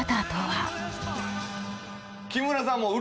木村さんも。